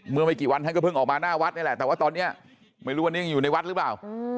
เมื่อไม่กี่วันก็เพิ่งออกมาหน้าวัดนี้แหละแต่ว่าตอนนี้ไม่รู้ว่างั้นยังอยู่ในวัดรึเปล่า